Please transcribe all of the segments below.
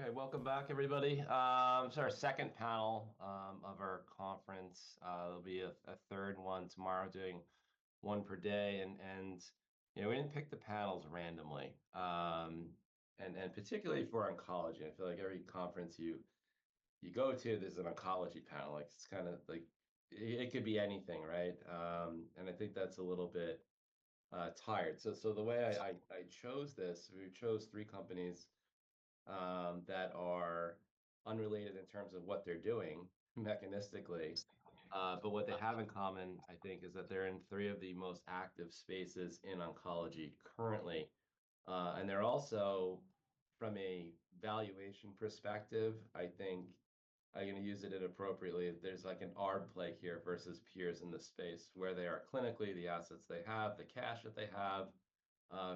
Okay, welcome back, everybody. Our second panel of our conference. There'll be a third one tomorrow, doing one per day. We didn't pick the panels randomly. Particularly for oncology, I feel like every conference you go to, there's an oncology panel. Like, it's kind of like it could be anything, right? I think that's a little bit tired. The way we chose this, we chose three companies that are unrelated in terms of what they're doing mechanistically. What they have in common, I think, is that they're in three of the most active spaces in oncology currently. And they're also, from a valuation perspective, I think, I'm gonna use it inappropriately, there's like an arb play here versus peers in the space where they are clinically, the assets they have, the cash that they have,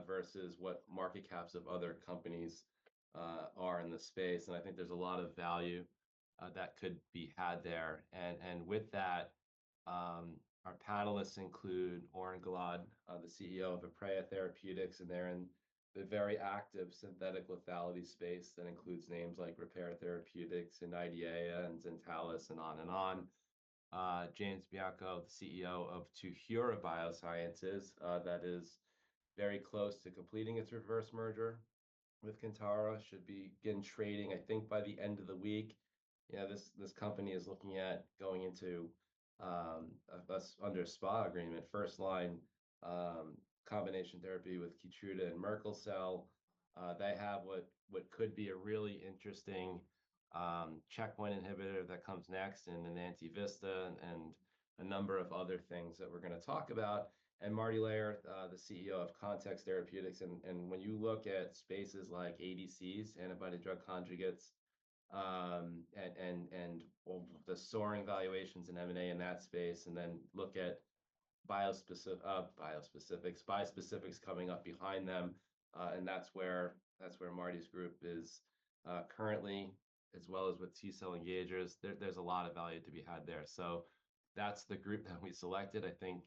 versus what market caps of other companies are in the space. And I think there's a lot of value that could be had there. And with that, our panelists include Oren Gilad, the CEO of Aprea Therapeutics, and they're in the very active synthetic lethality space that includes names like Repare Therapeutics and IDEAYA and Zentalis, and on and on. James Bianco, the CEO of TuHURA Biosciences, that is very close to completing its reverse merger with Kintara, should begin trading, I think, by the end of the week. You know, this company is looking at going into a SPA agreement, first line combination therapy with Keytruda and Merkel cell. They have what could be a really interesting checkpoint inhibitor that comes next, and an anti-VISTA, and a number of other things that we're gonna talk about. Marty Lehr, the CEO of Context Therapeutics. When you look at spaces like ADCs, antibody drug conjugates, and the soaring valuations in M&A in that space, and then look at bispecifics coming up behind them, and that's where Marty's group is currently, as well as with T-cell engagers. There's a lot of value to be had there. So that's the group that we selected. I think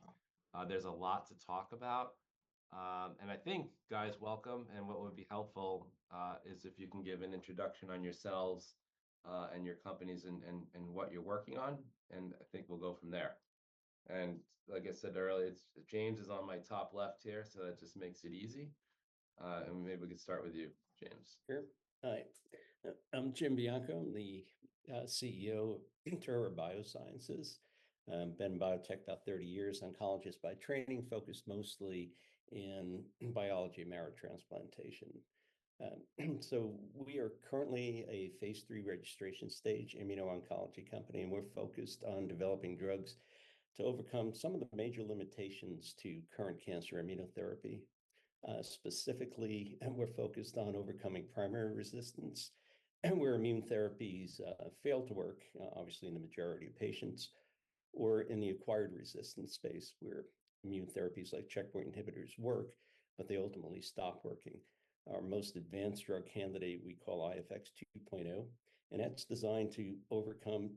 there's a lot to talk about. I think, guys, welcome. What would be helpful is if you can give an introduction on yourselves, and your companies, and what you're working on, and I think we'll go from there. Like I said earlier, it's James on my top left here, so that just makes it easy, and maybe we could start with you, James. Sure. Hi. I'm Jim Bianco. I'm the CEO of TuHURA Biosciences. Been in biotech about 30 years, oncologist by training, focused mostly in biology and marrow transplantation, so we are currently a phase three registration stage immuno-oncology company, and we're focused on developing drugs to overcome some of the major limitations to current cancer immunotherapy. Specifically, we're focused on overcoming primary resistance, and where immune therapies fail to work, obviously in the majority of patients, or in the acquired resistance space, where immune therapies like checkpoint inhibitors work, but they ultimately stop working. Our most advanced drug candidate, we call IFx-2.0, and that's designed to overcome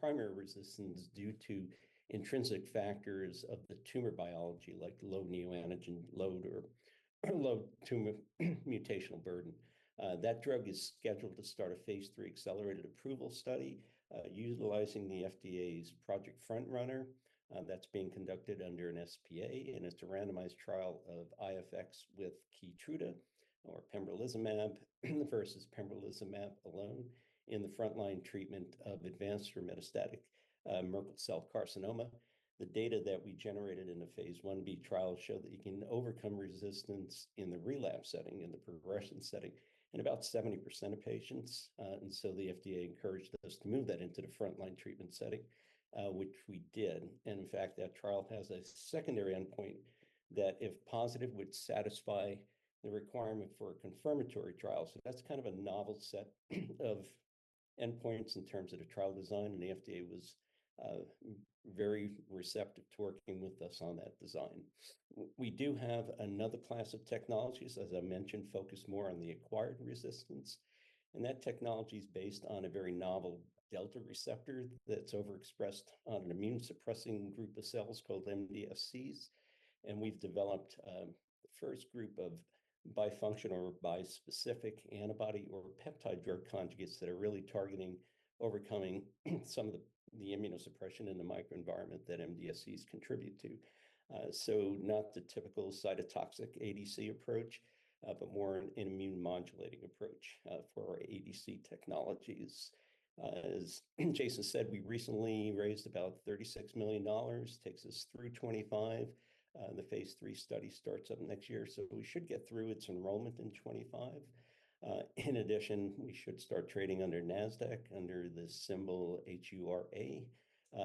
primary resistance due to intrinsic factors of the tumor biology, like low neoantigen load or low tumor mutational burden. That drug is scheduled to start a phase 3 accelerated approval study, utilizing the FDA's Project FrontRunner, that's being conducted under an SPA, and it's a randomized trial of IFX with Keytruda or pembrolizumab versus pembrolizumab alone in the front-line treatment of advanced or metastatic Merkel cell carcinoma. The data that we generated in the phase 1b trial show that you can overcome resistance in the relapse setting, in the progression setting, in about 70% of patients, and so the FDA encouraged us to move that into the front-line treatment setting, which we did, and in fact, that trial has a secondary endpoint that, if positive, would satisfy the requirement for a confirmatory trial, so that's kind of a novel set of endpoints in terms of the trial design, and the FDA was very receptive to working with us on that design. We do have another class of technologies, as I mentioned, focused more on the acquired resistance, and that technology's based on a very novel VISTA receptor that's overexpressed on an immune-suppressing group of cells called MDSCs, and we've developed the first group of bifunctional or bispecific antibody or peptide drug conjugates that are really targeting overcoming some of the immunosuppression in the microenvironment that MDSCs contribute to, so not the typical cytotoxic ADC approach, but more an immune-modulating approach for our ADC technologies. As Jason said, we recently raised about $36 million. Takes us through 2025. The phase three study starts up next year, so we should get through its enrollment in 2025. In addition, we should start trading on the NASDAQ under the symbol HURA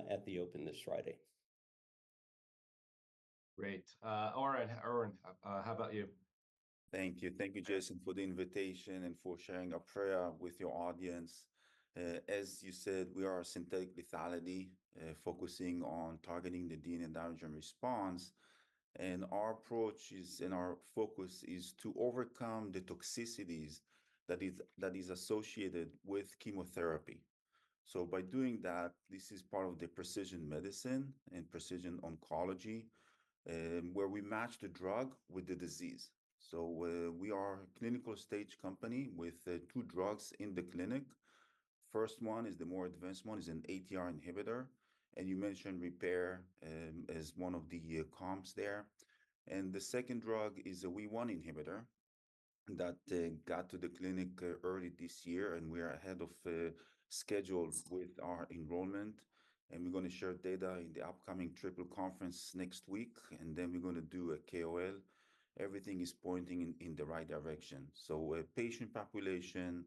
at the open this Friday. Great. All right, Oren, how about you? Thank you. Thank you, Jason, for the invitation and for sharing Aprea with your audience. As you said, we are synthetic lethality, focusing on targeting the DNA damage and response. Our approach is, and our focus is to overcome the toxicities that is associated with chemotherapy. By doing that, this is part of the precision medicine and precision oncology, where we match the drug with the disease. We are a clinical stage company with two drugs in the clinic. First one is the more advanced one, is an ATR inhibitor. You mentioned Repare, as one of the comps there. The second drug is a WEE1 inhibitor that got to the clinic early this year, and we are ahead of schedule with our enrollment. We're gonna share data in the upcoming Triple Conference next week, and then we're gonna do a KOL. Everything is pointing in the right direction. So, patient population,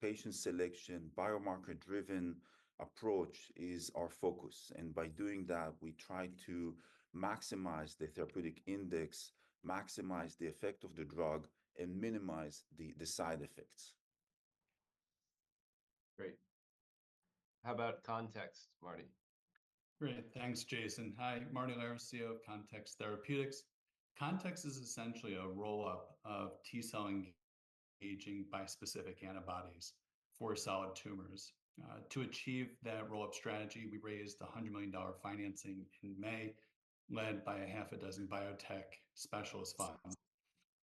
patient selection, biomarker-driven approach is our focus. And by doing that, we try to maximize the therapeutic index, maximize the effect of the drug, and minimize the side effects. Great. How about Context, Marty? Great. Thanks, Jason. Hi, Marty Lehr, CEO of Context Therapeutics. Context is essentially a roll-up of T-cell engaging bispecific antibodies for solid tumors. To achieve that roll-up strategy, we raised $100 million financing in May, led by a half a dozen biotech specialist funds.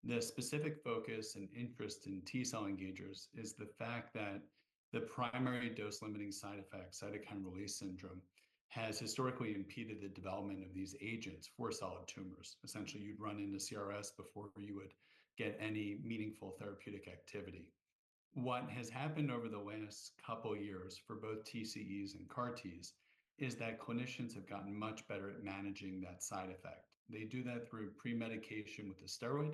The specific focus and interest in T-cell engagers is the fact that the primary dose-limiting side effect, cytokine release syndrome, has historically impeded the development of these agents for solid tumors. Essentially, you'd run into CRS before you would get any meaningful therapeutic activity. What has happened over the last couple of years for both TCEs and CAR-Ts is that clinicians have gotten much better at managing that side effect. They do that through pre-medication with a steroid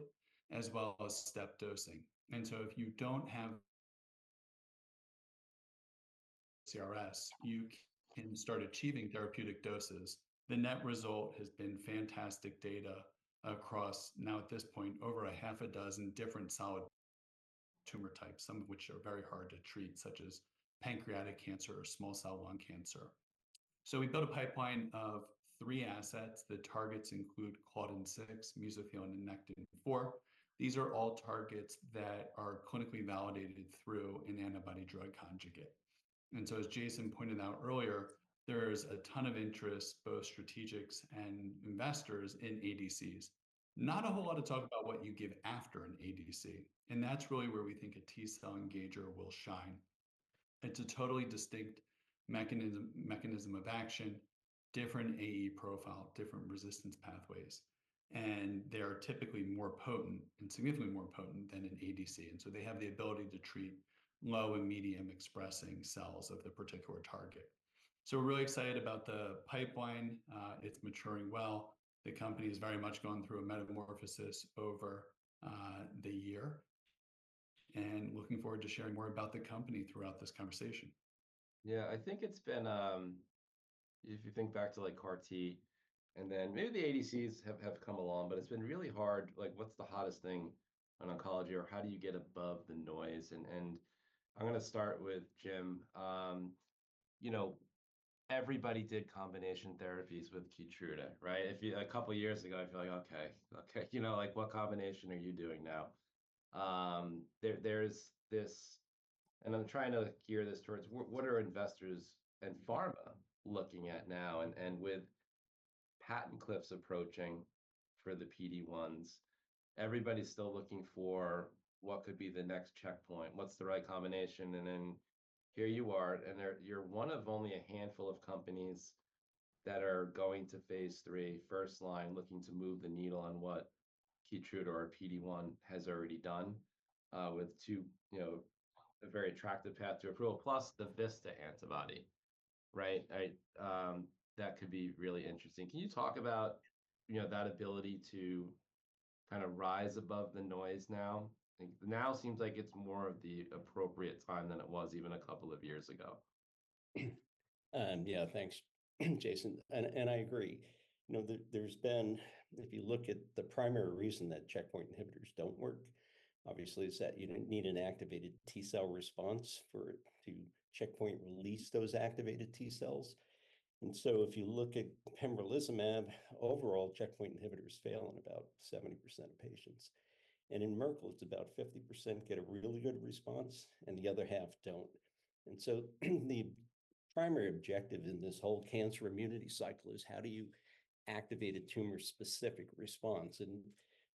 as well as step dosing, and so if you don't have CRS, you can start achieving therapeutic doses. The net result has been fantastic data across, now at this point, over a half a dozen different solid tumor types, some of which are very hard to treat, such as pancreatic cancer or small cell lung cancer, so we built a pipeline of three assets. The targets include Claudin-6, Mesothelin, Nectin-4. These are all targets that are clinically validated through an antibody-drug conjugate, and so, as Jason pointed out earlier, there's a ton of interest, both strategics and investors, in ADCs. Not a whole lot to talk about what you give after an ADC, and that's really where we think a T-cell engager will shine. It's a totally distinct mechanism, mechanism of action, different AE profile, different resistance pathways, and they are typically more potent, and significantly more potent, than an ADC, and so they have the ability to treat low and medium-expressing cells of the particular target. So we're really excited about the pipeline. It's maturing well. The company has very much gone through a metamorphosis over the year. And looking forward to sharing more about the company throughout this conversation. Yeah, I think it's been, if you think back to like CAR-T, and then maybe the ADCs have come along, but it's been really hard, like, what's the hottest thing in oncology, or how do you get above the noise? I'm gonna start with Jim. You know, everybody did combination therapies with Keytruda, right? If you, a couple of years ago, I feel like, you know, like, what combination are you doing now? There's this, and I'm trying to gear this towards, what are investors and pharma looking at now? With patent cliffs approaching for the PD1s, everybody's still looking for what could be the next checkpoint, what's the right combination? And then here you are, and there you're one of only a handful of companies that are going to phase three, first line, looking to move the needle on what Keytruda or PD-1 has already done, with two, you know, a very attractive path to approval, plus the VISTA antibody, right? I, that could be really interesting. Can you talk about, you know, that ability to kind of rise above the noise now? Like, now it seems like it's more of the appropriate time than it was even a couple of years ago. Yeah, thanks, Jason. And I agree. You know, there's been, if you look at the primary reason that checkpoint inhibitors don't work, obviously, is that you don't need an activated T-cell response for it to checkpoint release those activated T-cells. And so if you look at pembrolizumab, overall checkpoint inhibitors fail in about 70% of patients. And in Merkel, it's about 50% get a really good response, and the other half don't. And so the primary objective in this whole cancer immunity cycle is how do you activate a tumor-specific response? And,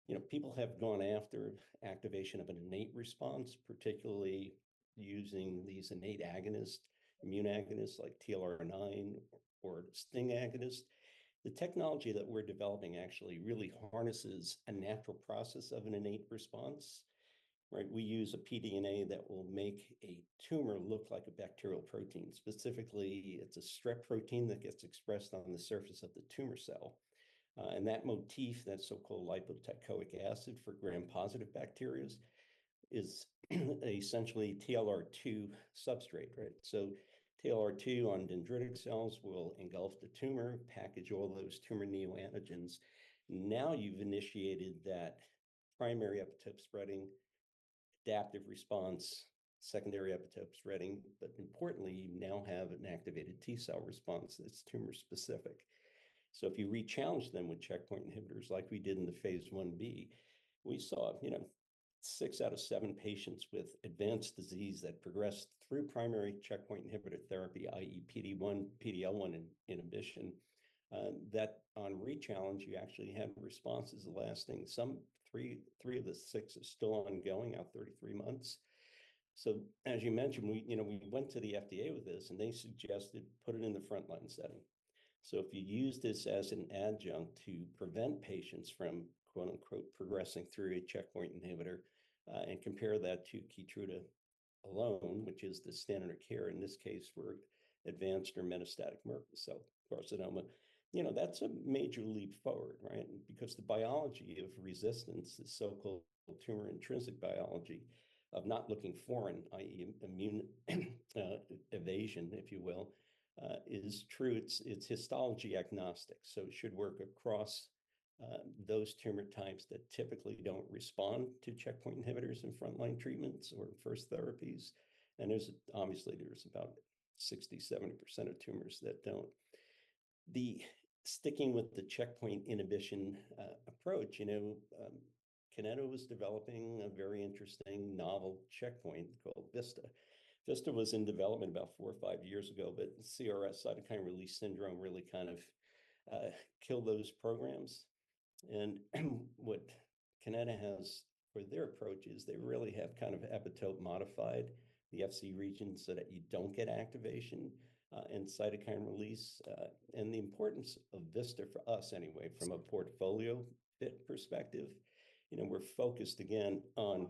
you know, people have gone after activation of an innate response, particularly using these innate agonists, immune agonists like TLR9 or STING agonists. The technology that we're developing actually really harnesses a natural process of an innate response, right? We use a pDNA that will make a tumor look like a bacterial protein. Specifically, it's a strep protein that gets expressed on the surface of the tumor cell, and that motif, that so-called lipoteichoic acid for gram-positive bacteria, is essentially TLR2 substrate, right? So TLR2 on dendritic cells will engulf the tumor, package all those tumor neoantigens. Now you've initiated that primary epitope spreading, adaptive response, secondary epitope spreading, but importantly, you now have an activated T-cell response that's tumor-specific. So if you rechallenge them with checkpoint inhibitors like we did in the phase one B, we saw, you know, six out of seven patients with advanced disease that progressed through primary checkpoint inhibitor therapy, i.e., PD-1, PD-L1 inhibition, that on rechallenge, you actually have responses lasting some three, three of the six is still ongoing out 33 months. So, as you mentioned, we, you know, we went to the FDA with this, and they suggested putting it in the front-line setting. So if you use this as an adjunct to prevent patients from, quote unquote, progressing through a checkpoint inhibitor, and compare that to Keytruda alone, which is the standard of care in this case for advanced or metastatic Merkel cell carcinoma, you know, that's a major leap forward, right? Because the biology of resistance, the so-called tumor intrinsic biology of not looking foreign, i.e., immune evasion, if you will, is true. It's histology agnostic. So it should work across those tumor types that typically don't respond to checkpoint inhibitors in front-line treatments or first therapies. And there's obviously about 60%-70% of tumors that don't. Sticking with the checkpoint inhibition approach, you know, Kineta was developing a very interesting novel checkpoint called VISTA. VISTA was in development about four or five years ago, but CRS cytokine release syndrome really kind of killed those programs. And what Kineta has for their approach is they really have kind of epitope modified the Fc regions so that you don't get activation, and cytokine release. And the importance of VISTA for us, anyway, from a portfolio fit perspective, you know, we're focused again on,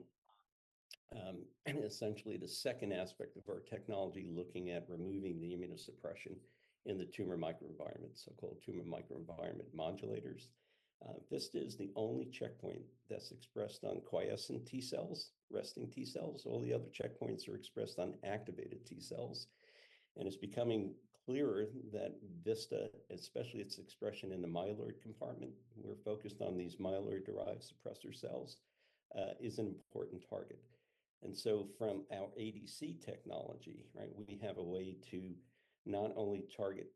essentially the second aspect of our technology looking at removing the immunosuppression in the tumor microenvironment, so-called tumor microenvironment modulators. VISTA is the only checkpoint that's expressed on quiescent T-cells, resting T-cells. All the other checkpoints are expressed on activated T-cells. And it's becoming clearer that VISTA, especially its expression in the myeloid compartment, we're focused on these myeloid-derived suppressor cells, is an important target. And so from our ADC technology, right, we have a way to not only target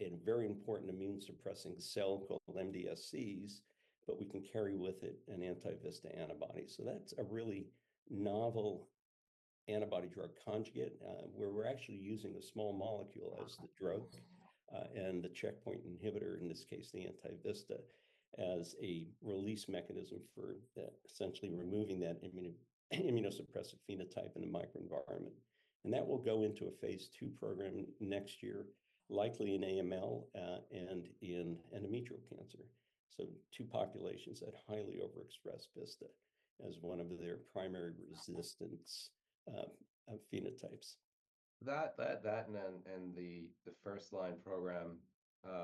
a very important immune-suppressing cell called MDSCs, but we can carry with it an anti-VISTA antibody. That's a really novel antibody-drug conjugate, where we're actually using a small molecule as the drug, and the checkpoint inhibitor, in this case, the anti-VISTA, as a release mechanism for essentially removing that immunosuppressive phenotype in the microenvironment. And that will go into a phase two program next year, likely in AML, and in endometrial cancer. Two populations that highly overexpress VISTA as one of their primary resistance phenotypes. And the first line program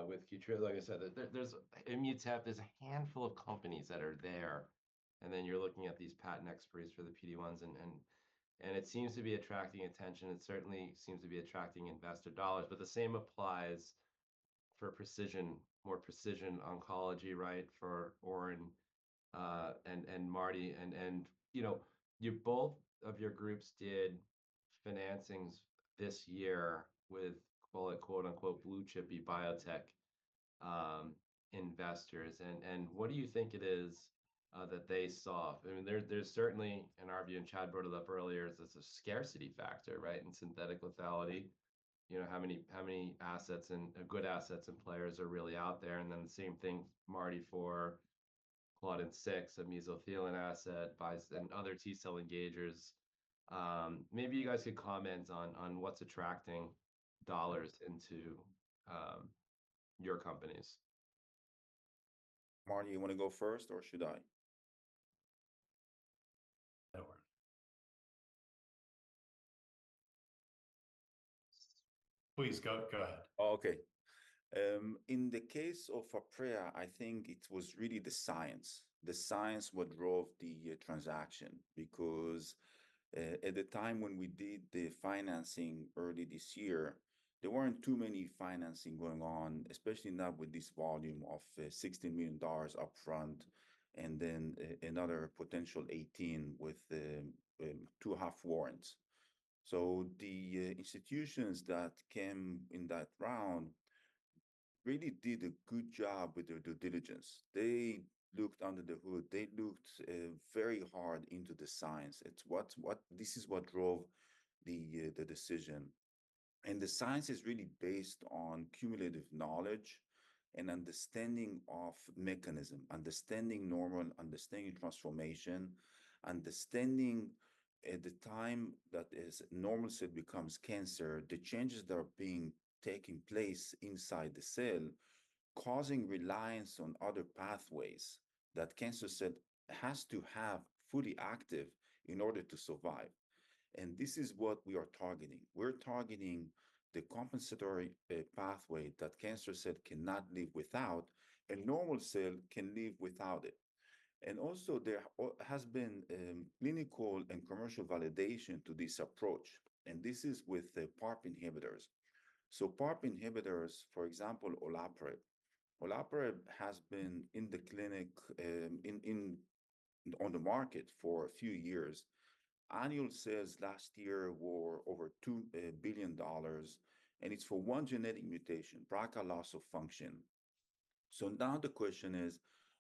with Keytruda, like I said, there's Immutep, there's a handful of companies that are there, and then you're looking at these patent expertise for the PD1s, and it seems to be attracting attention. It certainly seems to be attracting investor dollars, but the same applies for precision, more precision oncology, right? For Oren and Marty, you know, you both of your groups did financings this year with quote, unquote, blue chippy biotech investors. What do you think it is that they saw? I mean, there's certainly, in our view, and Chad brought it up earlier, there's a scarcity factor, right, in synthetic lethality. You know, how many assets and good assets and players are really out there? And then the same thing, Marty, for Claudin-6, a mesothelin asset, BiTEs and other T-cell engagers. Maybe you guys could comment on what's attracting dollars into your companies. Marty, you wanna go first or should I? That'll work. Please go ahead. Oh, okay. In the case of Aprea, I think it was really the science what drove the transaction, because at the time when we did the financing early this year, there weren't too many financing going on, especially not with this volume of $16 million upfront, and then another potential $18 million with two half warrants. So the institutions that came in that round really did a good job with their due diligence. They looked under the hood, looked very hard into the science. It's what drove the decision. And the science is really based on cumulative knowledge and understanding of mechanism, understanding normal, understanding transformation, understanding at the time that as normal cell becomes cancer, the changes that are being taking place inside the cell causing reliance on other pathways that cancer cell has to have fully active in order to survive. This is what we are targeting. We're targeting the compensatory pathway that cancer cell cannot live without, and normal cell can live without it. There has also been clinical and commercial validation to this approach, and this is with the PARP inhibitors. PARP inhibitors, for example, olaparib. Olaparib has been in the clinic, on the market for a few years. Annual sales last year were over $2 billion, and it's for one genetic mutation, BRCA loss of function. Now the question is,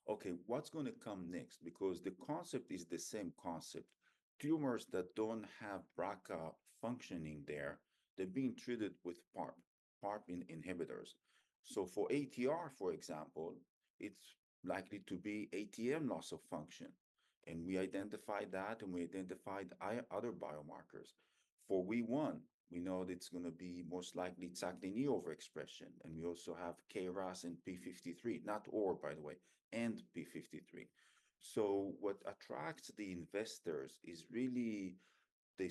okay, what's gonna come next? Because the concept is the same concept. Tumors that don't have BRCA functioning there, they're being treated with PARP inhibitors. For ATR, for example, it's likely to be ATM loss of function. We identified that, and we identified other biomarkers. For WEE1, we know that it's gonna be most likely CCNE1 overexpression, and we also have KRAS and p53, not ORR by the way, and p53. So what attracts the investors is really the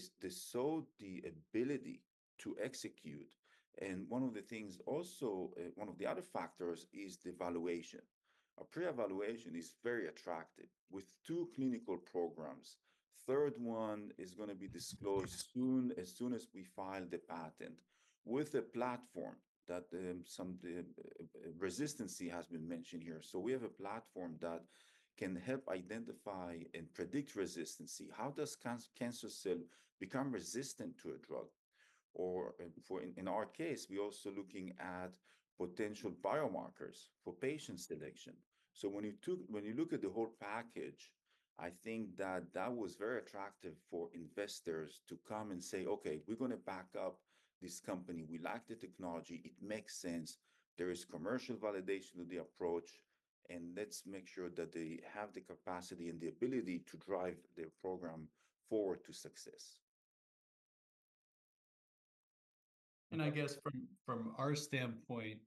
ability to execute. And one of the things also, one of the other factors is the evaluation. A pre-evaluation is very attractive with two clinical programs. Third one is gonna be disclosed soon, as soon as we file the patent with a platform that resistance has been mentioned here. So we have a platform that can help identify and predict resistance. How does cancer cell become resistant to a drug? Or for in our case, we're also looking at potential biomarkers for patient selection. When you look at the whole package, I think that that was very attractive for investors to come and say, okay, we're gonna back up this company. We like the technology. It makes sense. There is commercial validation of the approach, and let's make sure that they have the capacity and the ability to drive their program forward to success. I guess from our standpoint,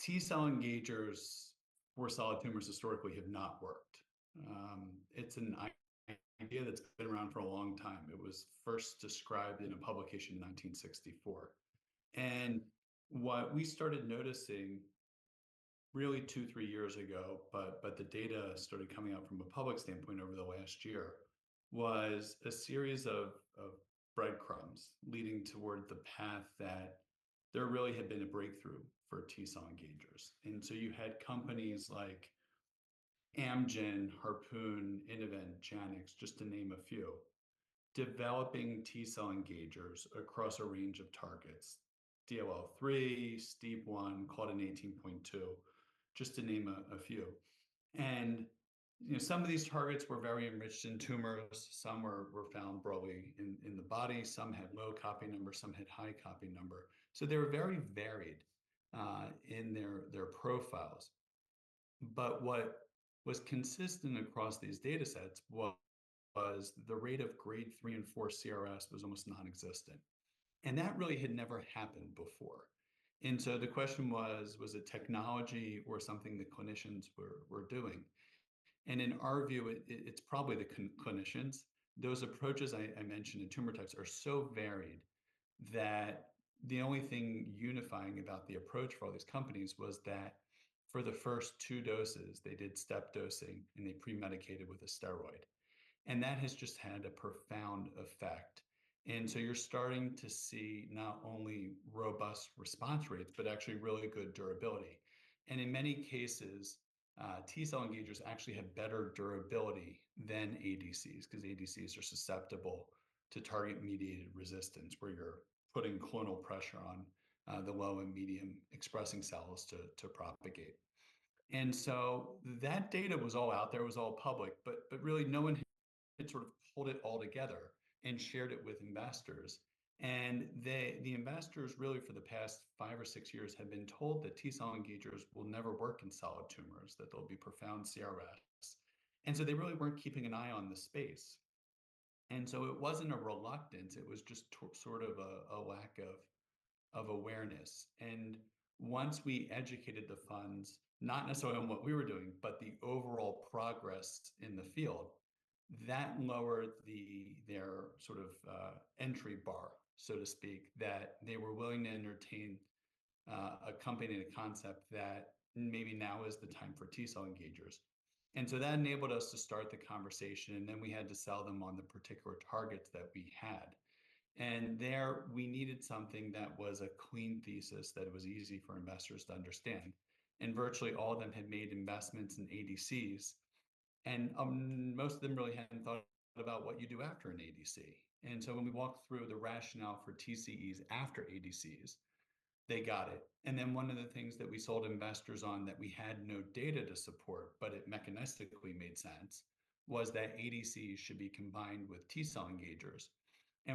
T-cell engagers for solid tumors historically have not worked. It's an idea that's been around for a long time. It was first described in a publication in 1964. What we started noticing really two, three years ago, but the data started coming out from a public standpoint over the last year was a series of breadcrumbs leading toward the path that there really had been a breakthrough for T-cell engagers. So you had companies like Amgen, Harpoon, Innovent, Janux, just to name a few, developing T-cell engagers across a range of targets, DLL3, STEAP1, Claudin-18.2, just to name a few. You know, some of these targets were very enriched in tumors. Some were found broadly in the body. Some had low copy number, some had high copy number. So they were very varied in their profiles. But what was consistent across these data sets was the rate of grade three and four CRS was almost nonexistent. And that really had never happened before. And so the question was, was it technology or something the clinicians were doing? And in our view, it it's probably the clinicians. Those approaches I mentioned in tumor types are so varied that the only thing unifying about the approach for all these companies was that for the first two doses, they did step dosing and they pre-medicated with a steroid. And that has just had a profound effect. And so you're starting to see not only robust response rates, but actually really good durability. And in many cases, T-cell engagers actually have better durability than ADCs, 'cause ADCs are susceptible to target-mediated resistance where you're putting clonal pressure on the low and medium expressing cells to propagate. And so that data was all out there, was all public, but really no one had sort of pulled it all together and shared it with investors. And the investors really for the past five or six years had been told that T-cell engagers will never work in solid tumors, that there'll be profound CRS. And so they really weren't keeping an eye on the space. And so it wasn't a reluctance, it was just sort of a lack of awareness. And once we educated the funds, not necessarily on what we were doing, but the overall progress in the field, that lowered their sort of entry bar, so to speak, that they were willing to entertain a company and a concept that maybe now is the time for T-cell engagers. And so that enabled us to start the conversation, and then we had to sell them on the particular targets that we had. And there we needed something that was a clean thesis that was easy for investors to understand. And virtually all of them had made investments in ADCs, and most of them really hadn't thought about what you do after an ADC. And so when we walked through the rationale for TCEs after ADCs, they got it. One of the things that we sold investors on that we had no data to support, but it mechanistically made sense, was that ADCs should be combined with T-cell engagers.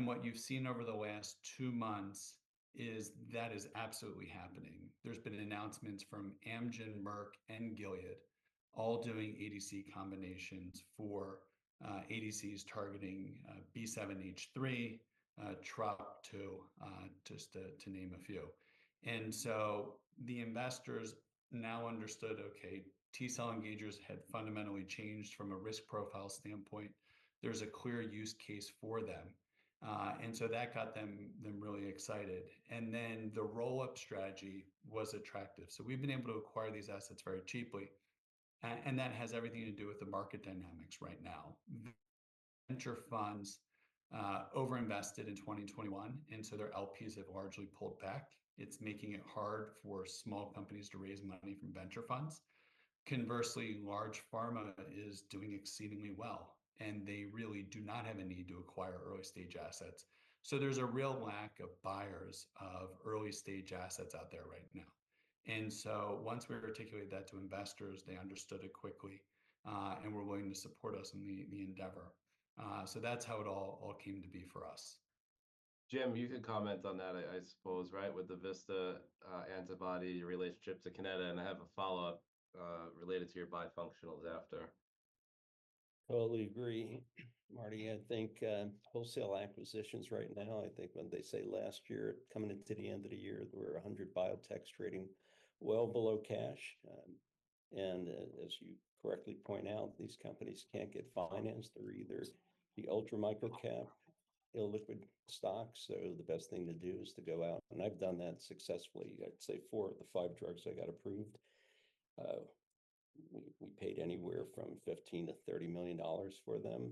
What you've seen over the last two months is that is absolutely happening. There have been announcements from Amgen, Merck, and Gilead all doing ADC combinations, ADCs targeting B7-H3, TROP2, just to name a few. The investors now understood, okay, T-cell engagers had fundamentally changed from a risk profile standpoint. There is a clear use case for them, and that got them really excited. The roll-up strategy was attractive. We have been able to acquire these assets very cheaply, and that has everything to do with the market dynamics right now. Venture funds overinvested in 2021, and their LPs have largely pulled back. It's making it hard for small companies to raise money from venture funds. Conversely, large pharma is doing exceedingly well, and they really do not have a need to acquire early stage assets. So there's a real lack of buyers of early stage assets out there right now. And so once we articulate that to investors, they understood it quickly, and were willing to support us in the endeavor. So that's how it all came to be for us. Jim, you can comment on that, I suppose, right? With the VISTA antibody relationship to Kineta. And I have a follow-up, related to your bifunctionals after. Totally agree. Marty, I think, wholesale acquisitions right now, I think when they say last year, coming into the end of the year, there were 100 biotechs trading well below cash. And as you correctly point out, these companies can't get financed. They're either the ultra micro cap, illiquid stocks. So the best thing to do is to go out. And I've done that successfully. I'd say four of the five drugs I got approved, we paid anywhere from $15-$30 million for them.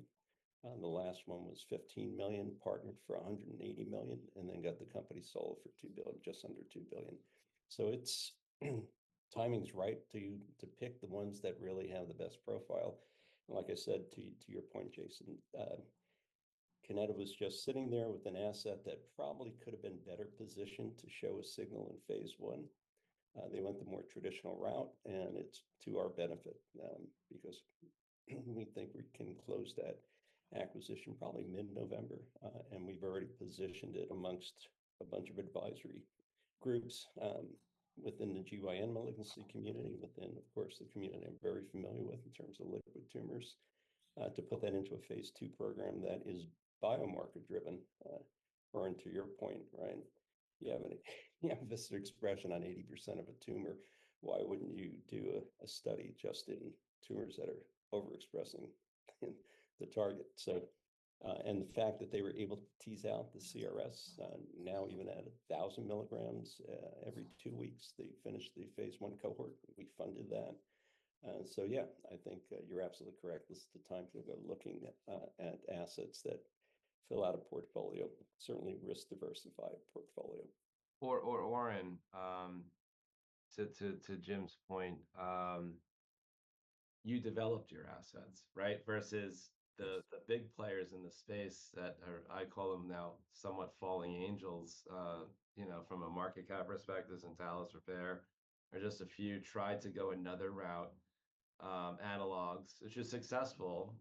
The last one was $15 million, partnered for $180 million, and then got the company sold for $2 billion, just under $2 billion. So it's timing's right to pick the ones that really have the best profile. Like I said, to your point, Jason, Kineta was just sitting there with an asset that probably could have been better positioned to show a signal in phase one. They went the more traditional route, and it's to our benefit, because we think we can close that acquisition probably mid-November. We've already positioned it amongst a bunch of advisory groups, within the GYN malignancy community, within, of course, the community I'm very familiar with in terms of liquid tumors, to put that into a phase two program that is biomarker driven. To your point, Ryan, you have this expression on 80% of a tumor. Why wouldn't you do a study just in tumors that are overexpressing the target? So, and the fact that they were able to tease out the CRS, now even at a thousand milligrams, every two weeks, they finished the phase one cohort. We funded that. So yeah, I think, you're absolutely correct. This is the time to go looking, at assets that fill out a portfolio, certainly risk diversified portfolio. Or, Oren, to Jim's point, you developed your assets, right? Versus the big players in the space that are, I call them now, somewhat fallen angels, you know, from a market cap perspective, Zentalis, Repare, or just a few tried to go another route, analogs, which is successful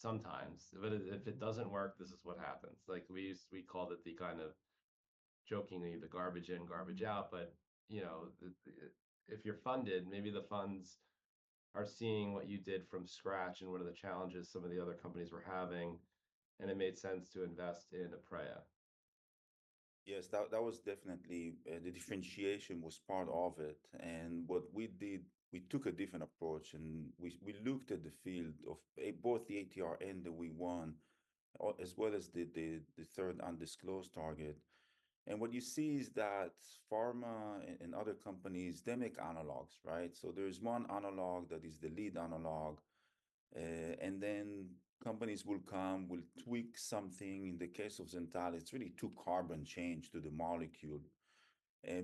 sometimes, but if it doesn't work, this is what happens. Like we used, we called it the kind of jokingly the garbage in, garbage out, but you know, if you're funded, maybe the funds are seeing what you did from scratch and what are the challenges some of the other companies were having, and it made sense to invest in Aprea. Yes, that was definitely the differentiation was part of it. And what we did, we took a different approach and we looked at the field of both the ATR and the WEE1, as well as the third undisclosed target. And what you see is that pharma and other companies, they make analogs, right? So there's one analog that is the lead analog, and then companies will come, will tweak something. In the case of Zentalis, it's really a two-carbon change to the molecule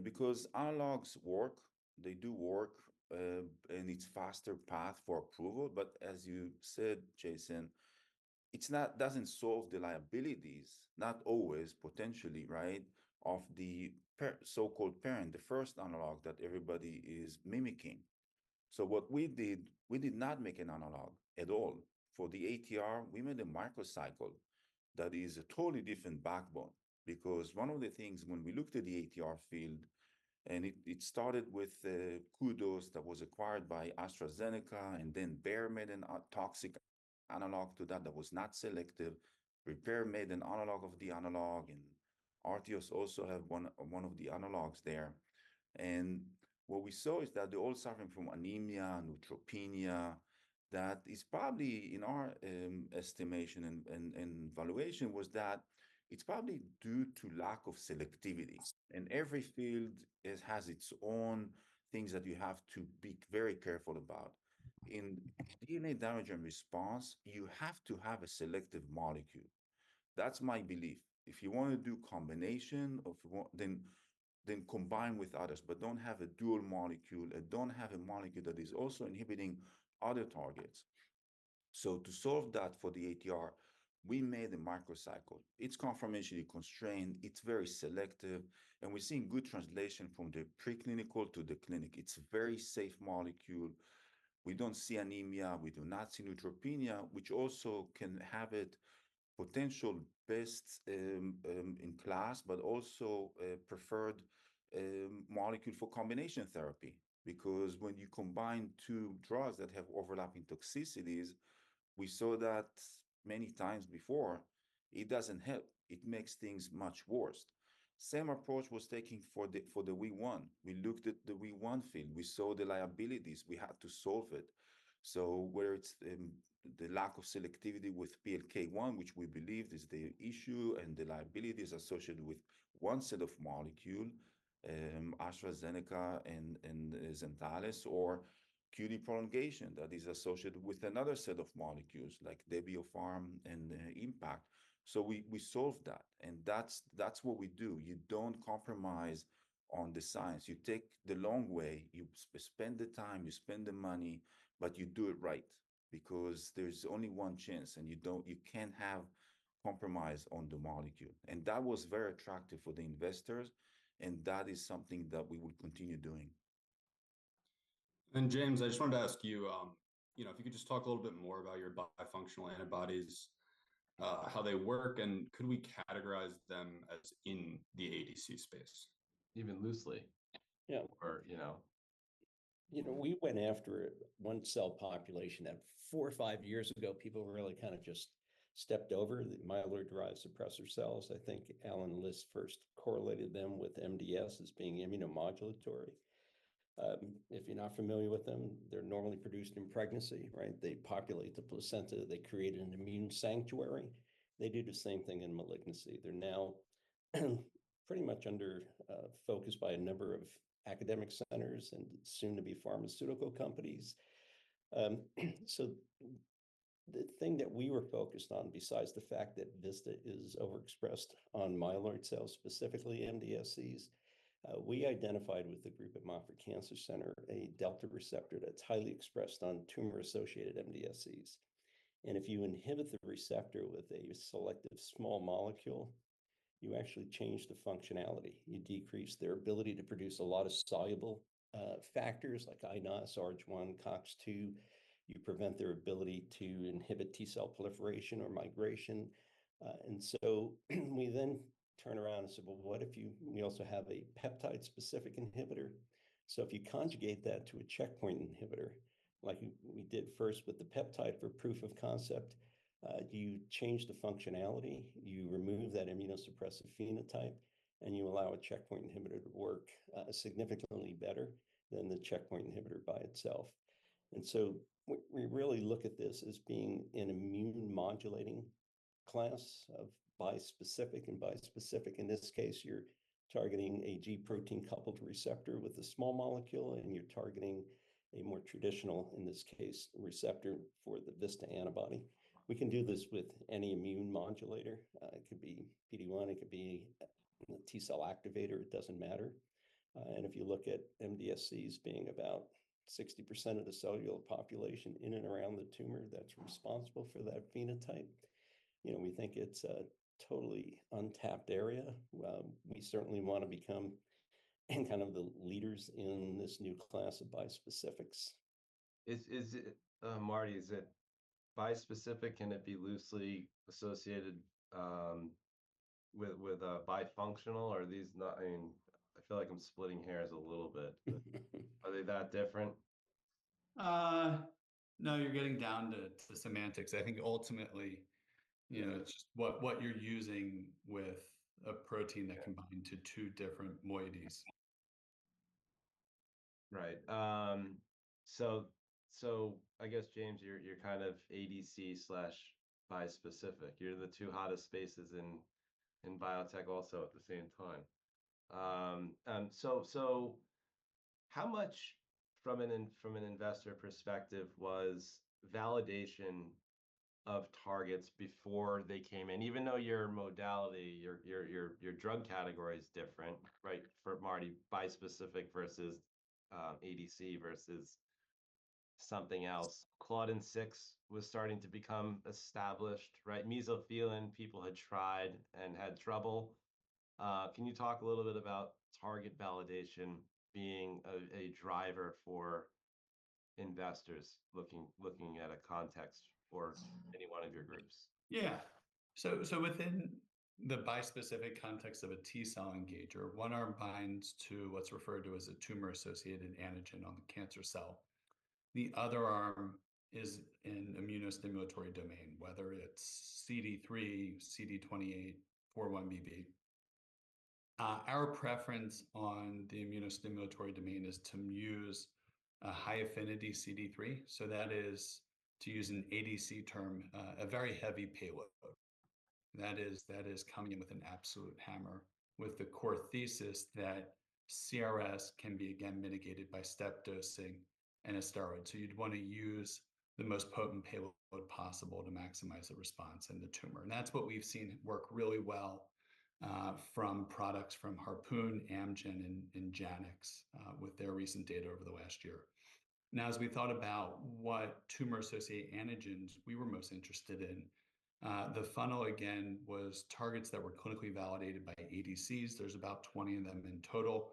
because analogs work, they do work, and it's a faster path for approval. But as you said, Jason, it's not, doesn't solve the liabilities, not always potentially, right, of the so-called parent, the first analog that everybody is mimicking. So what we did, we did not make an analog at all for the ATR. We made a molecule that is a totally different backbone because one of the things when we looked at the ATR field, and it started with KuDOS that was acquired by AstraZeneca and then Bayer made a toxic analog to that that was not selective. Repare made an analog of the analog, and Artios also have one of the analogs there. And what we saw is that they're all suffering from anemia, neutropenia, that is probably, in our estimation and valuation, due to lack of selectivity. And every field has its own things that you have to be very careful about. In DNA damage response, you have to have a selective molecule. That's my belief. If you wanna do combination of, then combine with others, but don't have a dual molecule and don't have a molecule that is also inhibiting other targets. So to solve that for the ATR, we made a macrocycle. It's conformationally constrained, it's very selective, and we're seeing good translation from the preclinical to the clinic. It's a very safe molecule. We don't see anemia, we do not see neutropenia, which also can have its potential best-in-class, but also preferred molecule for combination therapy. Because when you combine two drugs that have overlapping toxicities, we saw that many times before, it doesn't help. It makes things much worse. Same approach was taken for the WEE1. We looked at the WEE1 field, we had to solve it. So whether it's the lack of selectivity with PLK1, which we believe is the issue and the liabilities associated with one set of molecule, AstraZeneca and Zentalis, or QT prolongation that is associated with another set of molecules like Debiofarm and Impact. So we solved that. And that's what we do. You don't compromise on the science. You take the long way, you spend the time, you spend the money, but you do it right because there's only one chance and you don't, you can't have compromise on the molecule. And that was very attractive for the investors. And that is something that we will continue doing. James, I just wanted to ask you, you know, if you could just talk a little bit more about your bifunctional antibodies, how they work, and could we categorize them as in the ADC space? Even loosely. Yeah. Or, you know. You know, we went after one cell population that four or five years ago, people really kind of just stepped over the myeloid-derived suppressor cells. I think Alan List first correlated them with MDS as being immunomodulatory. If you're not familiar with them, they're normally produced in pregnancy, right? They populate the placenta, they create an immune sanctuary. They do the same thing in malignancy. They're now pretty much under, focused by a number of academic centers and soon to be pharmaceutical companies. The thing that we were focused on, besides the fact that VISTA is overexpressed on myeloid cells, specifically MDSCs, we identified with the group at Moffitt Cancer Center, a delta receptor that's highly expressed on tumor-associated MDSCs. And if you inhibit the receptor with a selective small molecule, you actually change the functionality. You decrease their ability to produce a lot of soluble factors like iNOS, Arg1, COX-2. You prevent their ability to inhibit T-cell proliferation or migration. We then turn around and said, well, what if you, we also have a peptide specific inhibitor? So if you conjugate that to a checkpoint inhibitor, like we did first with the peptide for proof of concept, you change the functionality, you remove that immunosuppressive phenotype, and you allow a checkpoint inhibitor to work significantly better than the checkpoint inhibitor by itself. We really look at this as being an immune modulating class of bispecific and bispecific. In this case, you're targeting a G protein-coupled receptor with a small molecule, and you're targeting a more traditional, in this case, receptor for the VISTA antibody. We can do this with any immune modulator. It could be PD-1, it could be a T-cell activator, it doesn't matter. And if you look at MDSCs being about 60% of the cellular population in and around the tumor that's responsible for that phenotype, you know, we think it's a totally untapped area. We certainly wanna become kind of the leaders in this new class of bispecifics. Is it, Marty, bispecific and it'd be loosely associated with bifunctional? Are these not, I mean, I feel like I'm splitting hairs a little bit. Are they that different? No, you're getting down to the semantics. I think ultimately, you know, it's just what you're using with a protein that combined to two different moieties. Right. So, I guess, James, you're kind of ADC slash bispecific. You're the two hottest spaces in biotech also at the same time. So, how much from an investor perspective was validation of targets before they came in? Even though your modality, your drug category is different, right? For Marty, bispecific versus ADC versus something else. Claudin-6 was starting to become established, right? Mesothelin, people had tried and had trouble. Can you talk a little bit about target validation being a driver for investors looking at Context or any one of your groups? Yeah. So, so within the bispecific context of a T-cell engager, one arm binds to what's referred to as a tumor-associated antigen on the cancer cell. The other arm is an immunostimulatory domain, whether it's CD3, CD28, 4-1BB. Our preference on the immunostimulatory domain is to use a high-affinity CD3. So that is to use an ADC term, a very heavy payload. That is, that is coming in with an absolute hammer with the core thesis that CRS can be again mitigated by step dosing and a steroid. So you'd wanna use the most potent payload possible to maximize the response in the tumor. And that's what we've seen work really well, from products from Harpoon, Amgen, and Janux, with their recent data over the last year. Now, as we thought about what tumor-associated antigens we were most interested in, the funnel again was targets that were clinically validated by ADCs. There's about 20 of them in total.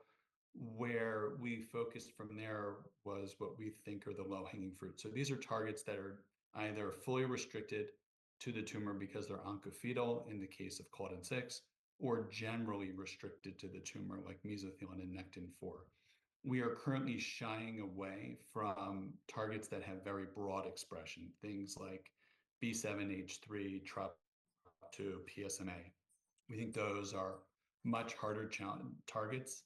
Where we focused from there was what we think are the low hanging fruits. So these are targets that are either fully restricted to the tumor because they're oncofetal in the case of Claudin-6, or generally restricted to the tumor like mesothelin and Nectin-4. We are currently shying away from targets that have very broad expression, things like B7-H3, TROP2, PSMA. We think those are much harder targets,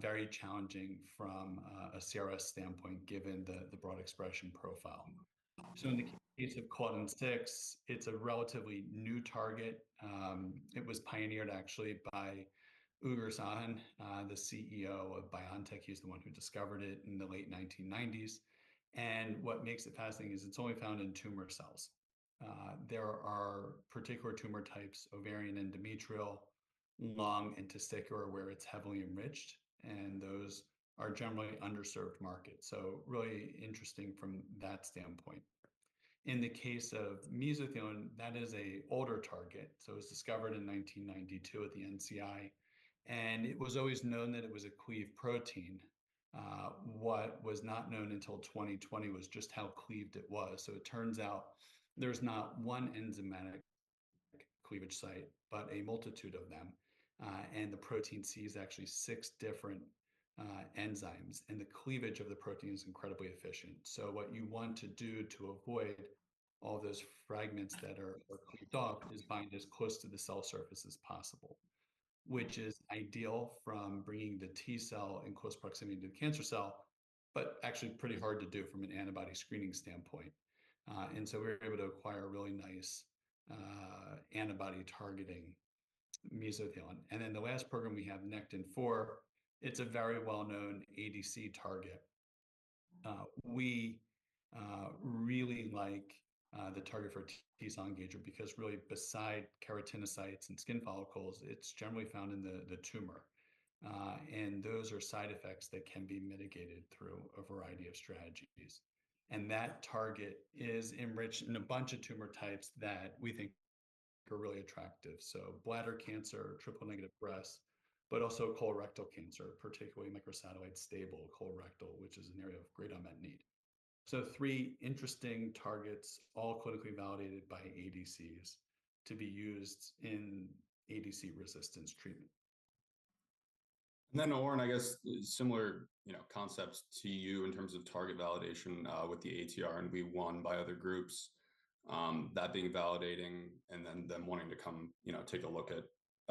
very challenging from a CRS standpoint given the broad expression profile. So in the case of Claudin-6, it's a relatively new target. It was pioneered actually by Ugur Sahin, the CEO of BioNTech. He's the one who discovered it in the late 1990s. And what makes it fascinating is it's only found in tumor cells. There are particular tumor types, ovarian, endometrial, lung, and testicular, where it's heavily enriched, and those are generally underserved markets. So really interesting from that standpoint. In the case of mesothelin, that is an older target. So it was discovered in 1992 at the NCI, and it was always known that it was a cleaved protein. What was not known until 2020 was just how cleaved it was. So it turns out there's not one enzymatic cleavage site, but a multitude of them. And the protein is actually cleaved by six different enzymes, and the cleavage of the protein is incredibly efficient. So what you want to do to avoid all those fragments that are cleaved off is bind as close to the cell surface as possible, which is ideal from bringing the T-cell in close proximity to the cancer cell, but actually pretty hard to do from an antibody screening standpoint. And so we were able to acquire a really nice antibody targeting mesothelin. And then the last program we have, Nectin-4, it's a very well-known ADC target. We really like the target for T-cell engager because really besides keratinocytes and skin follicles, it's generally found in the tumor. And those are side effects that can be mitigated through a variety of strategies. And that target is enriched in a bunch of tumor types that we think are really attractive. Bladder cancer, triple negative breast, but also colorectal cancer, particularly microsatellite stable colorectal, which is an area of great unmet need. Three interesting targets, all clinically validated by ADCs to be used in ADC resistance treatment. Oren, I guess similar, you know, concepts to you in terms of target validation, with the ATR and WEE1 by other groups, that being validating and then them wanting to come, you know, take a look at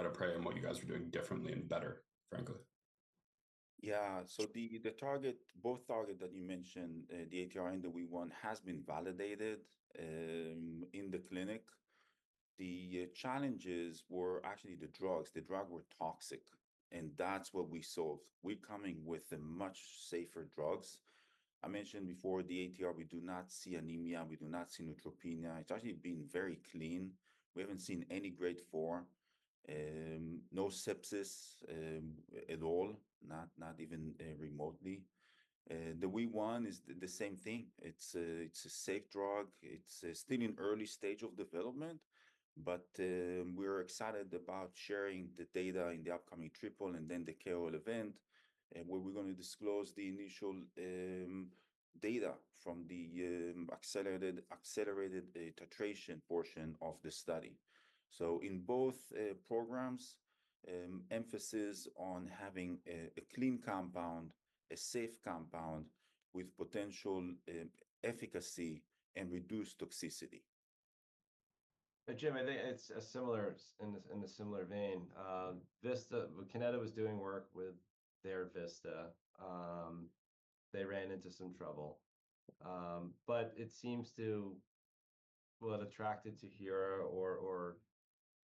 Aprea and what you guys are doing differently and better, frankly. Yeah. So the target, both targets that you mentioned, the ATR and the WEE1 has been validated in the clinic. The challenges were actually the drugs. The drugs were toxic, and that's what we solved. We're coming with much safer drugs. I mentioned before the ATR, we do not see anemia, we do not see neutropenia. It's actually been very clean. We haven't seen any grade four, no sepsis at all, not even remotely. The WEE1 is the same thing. It's a safe drug. It's still in early stage of development, but we're excited about sharing the data in the upcoming trial and then the KOL event, where we're gonna disclose the initial data from the accelerated titration portion of the study. So in both programs, emphasis on having a clean compound, a safe compound with potential efficacy and reduced toxicity. Jim, I think it's similar in a similar vein. VISTA, Kineta was doing work with their VISTA. They ran into some trouble. But it seems, well, it attracted TuHURA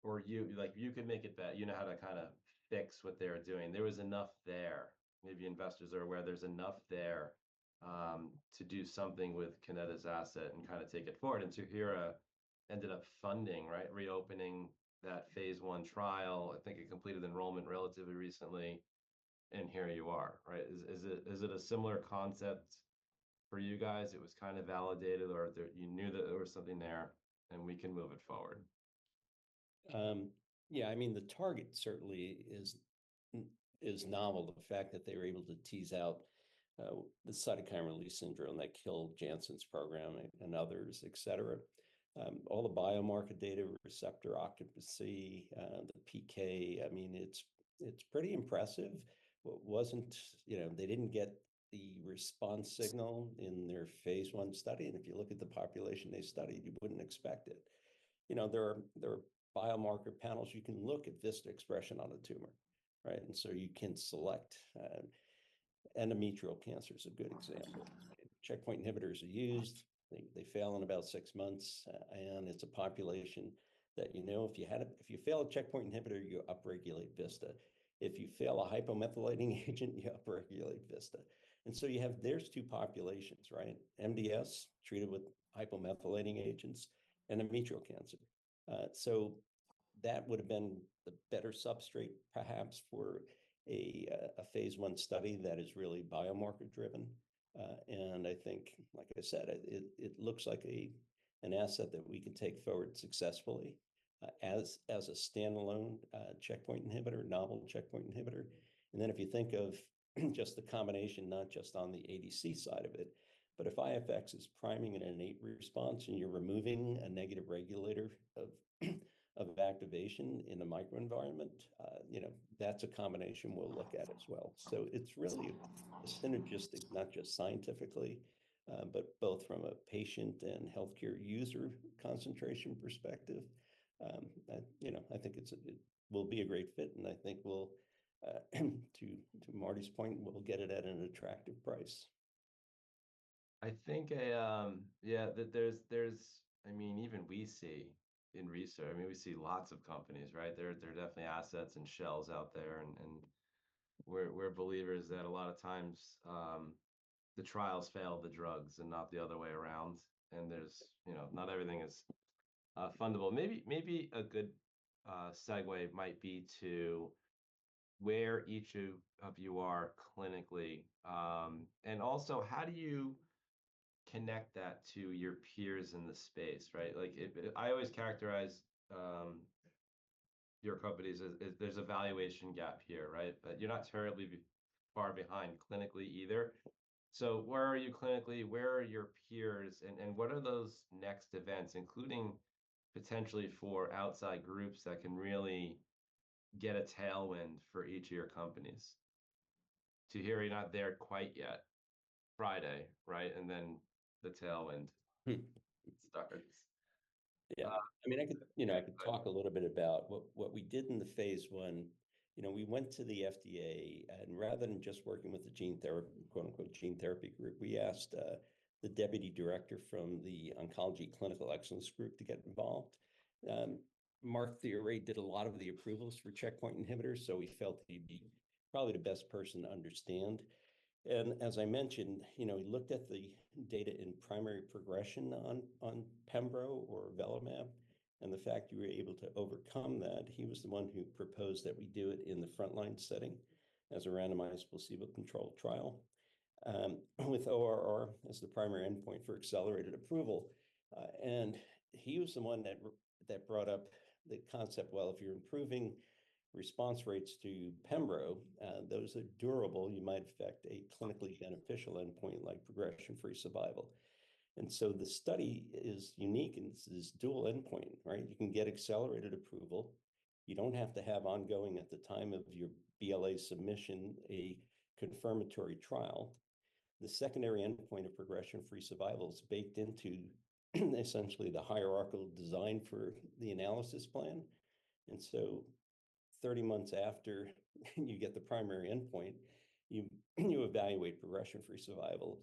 or you, like you could make it better, you know, how to kind of fix what they're doing. There was enough there. Maybe investors are aware there's enough there to do something with Kineta's asset and kind of take it forward. TuHURA ended up funding, right? Reopening that phase one trial, I think it completed enrollment relatively recently. Here you are, right? Is it a similar concept for you guys? It was kind of validated or you knew that there was something there and we can move it forward. Yeah, I mean, the target certainly is novel. The fact that they were able to tease out the cytokine release syndrome that killed Janssen's program and others, et cetera, all the biomarker data, receptor occupancy, the PK, I mean, it's pretty impressive. What wasn't, you know, they didn't get the response signal in their phase one study. And if you look at the population they studied, you wouldn't expect it. You know, there are biomarker panels, you can look at VISTA expression on a tumor, right? And so you can select. Endometrial cancer is a good example. Checkpoint inhibitors are used. They fail in about six months, and it's a population that, you know, if you fail a checkpoint inhibitor, you upregulate VISTA. If you fail a hypomethylating agent, you upregulate VISTA. And so you have. There's two populations, right? MDS treated with hypomethylating agents and endometrial cancer. So that would've been the better substrate perhaps for a phase one study that is really biomarker driven. And I think, like I said, it looks like an asset that we can take forward successfully, as a standalone checkpoint inhibitor, novel checkpoint inhibitor. And then if you think of just the combination, not just on the ADC side of it, but if IFX is priming an innate response and you're removing a negative regulator of activation in the microenvironment, you know, that's a combination we'll look at as well. So it's really a synergistic, not just scientifically, but both from a patient and healthcare user concentration perspective. I, you know, I think it's it will be a great fit and I think we'll, to Marty's point, we'll get it at an attractive price. I think, yeah, that there's. I mean, even we see in research. I mean, we see lots of companies, right? There are definitely assets and shells out there, and we're believers that a lot of times, the trials fail the drugs and not the other way around. And there's, you know, not everything is fundable. Maybe a good segue might be to where each of you are clinically, and also how do you connect that to your peers in the space, right? Like I always characterize your companies as there's a valuation gap here, right? But you're not terribly far behind clinically either. So where are you clinically? Where are your peers and what are those next events, including potentially for outside groups that can really get a tailwind for each of your companies to hear you're not there quite yet Friday, right? And then the tailwind suckers. Yeah. I mean, I could, you know, I could talk a little bit about what, what we did in the phase 1. You know, we went to the FDA and rather than just working with the gene therapy, quote unquote, gene therapy group, we asked the deputy director from the oncology clinical excellence group to get involved. Marc Theoret did a lot of the approvals for checkpoint inhibitors, so we felt he'd be probably the best person to understand. And as I mentioned, you know, he looked at the data in primary progression on, on pembro or avelumab and the fact you were able to overcome that. He was the one who proposed that we do it in the frontline setting as a randomized sequential control trial, with ORR as the primary endpoint for accelerated approval. And he was the one that brought up the concept, well, if you're improving response rates to pembro, those are durable, you might affect a clinically beneficial endpoint like progression-free survival. And so the study is unique and this is dual endpoint, right? You can get accelerated approval. You don't have to have ongoing at the time of your BLA submission a confirmatory trial. The secondary endpoint of progression-free survival is baked into essentially the hierarchical design for the analysis plan. And so 30 months after you get the primary endpoint, you evaluate progression-free survival.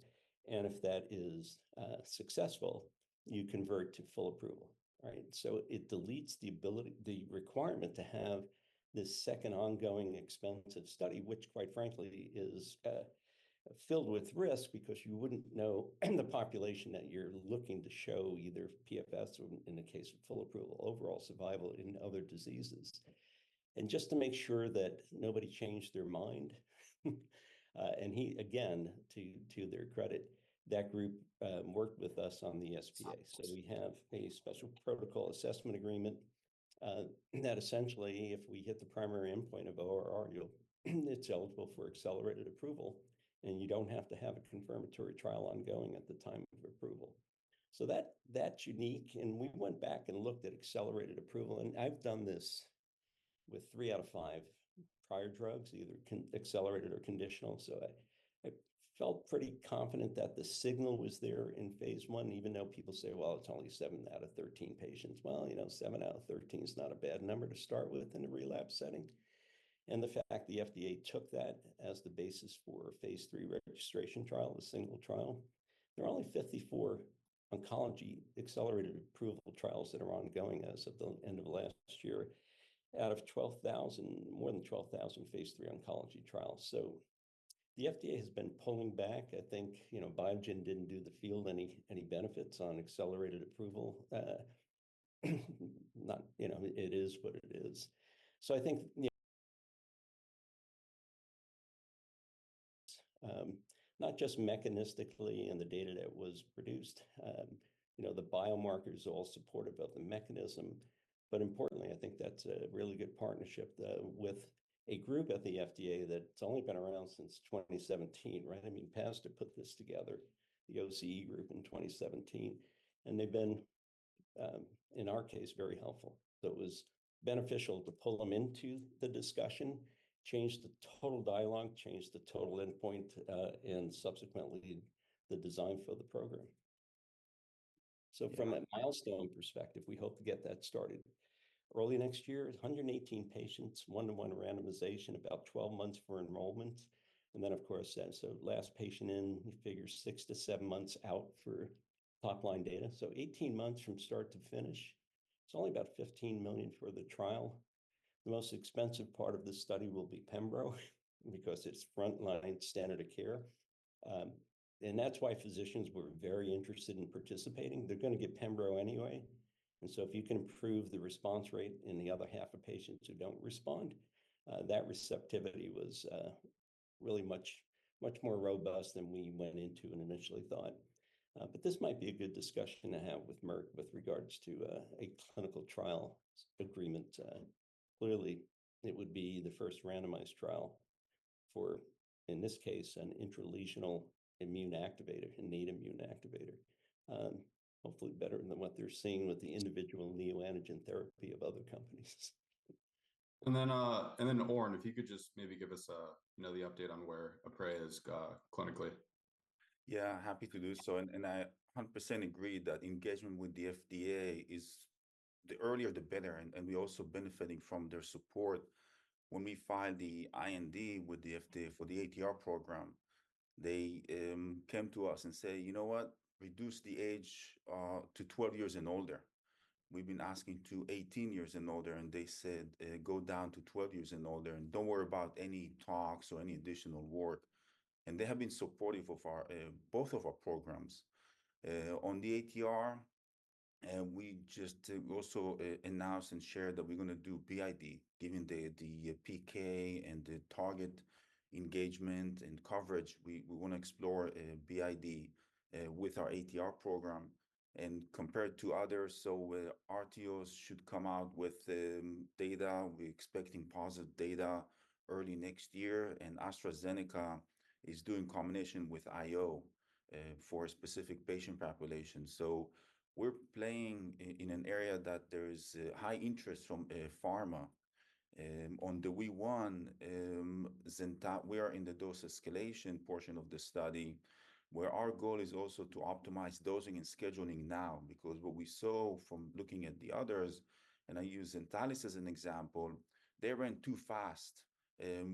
And if that is successful, you convert to full approval, right? So it deletes the ability, the requirement to have this second ongoing expensive study, which quite frankly is filled with risk because you wouldn't know the population that you're looking to show either PFS or in the case of full approval, overall survival in other diseases. And just to make sure that nobody changed their mind, and he again, to their credit, that group worked with us on the SPA. So we have a special protocol assessment agreement, that essentially if we hit the primary endpoint of ORR, it'll, it's eligible for accelerated approval and you don't have to have a confirmatory trial ongoing at the time of approval. So that, that's unique. And we went back and looked at accelerated approval and I've done this with three out of five prior drugs, either accelerated or conditional. I felt pretty confident that the signal was there in phase 1, even though people say, well, it's only seven out of 13 patients. You know, seven out of 13 is not a bad number to start with in a relapse setting. The fact the FDA took that as the basis for phase 3 registration trial, a single trial. There are only 54 oncology accelerated approval trials that are ongoing as of the end of last year out of 12,000, more than 12,000 phase 3 oncology trials. The FDA has been pulling back. I think, you know, Biogen didn't do the field any benefits on accelerated approval. You know, it is what it is. So I think, you know, not just mechanistically in the data that was produced, you know, the biomarkers all support about the mechanism, but importantly, I think that's a really good partnership with a group at the FDA that's only been around since 2017, right? I mean, passed to put this together, the OCE group in 2017, and they've been, in our case, very helpful. So it was beneficial to pull 'em into the discussion, changed the total dialogue, changed the total endpoint, and subsequently the design for the program. So from a milestone perspective, we hope to get that started early next year, 118 patients, one-to-one randomization, about 12 months for enrollment. And then of course, so last patient in, you figure six to seven months out for top line data. So 18 months from start to finish. It's only about $15 million for the trial. The most expensive part of this study will be pembro because it's frontline standard of care. That's why physicians were very interested in participating. They're gonna get pembro anyway. So if you can improve the response rate in the other half of patients who don't respond, that receptivity was really much, much more robust than we went into and initially thought. This might be a good discussion to have with Merck with regards to a clinical trial agreement. Clearly it would be the first randomized trial for, in this case, an intralesional immune activator, innate immune activator. Hopefully better than what they're seeing with the individual neoantigen therapy of other companies. And then Oren, if you could just maybe give us, you know, the update on where Aprea is, clinically. Yeah, happy to do so. And I 100% agree that engagement with the FDA is the earlier, the better. And we're also benefiting from their support when we file the IND with the FDA for the ATR program. They came to us and said, you know what, reduce the age to 12 years and older. We've been asking for 18 years and older, and they said, go down to 12 years and older and don't worry about any talks or any additional work. And they have been supportive of both of our programs. On the ATR, we just also announced and shared that we're gonna do BID given the PK and the target engagement and coverage. We wanna explore BID with our ATR program and compared to others. So with Artios should come out with data. We're expecting positive data early next year. And AstraZeneca is doing combination with IO for a specific patient population. So we're playing in an area that there is high interest from pharma on the WEE1. Zentalis, we are in the dose escalation portion of the study where our goal is also to optimize dosing and scheduling now because what we saw from looking at the others, and I use Zentalis as an example, they ran too fast